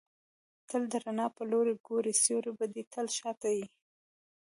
تل د رڼا پر لوري ګورئ! سیوری به دي تل شاته يي.